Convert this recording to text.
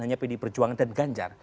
hanya pdi perjuangan dan ganjar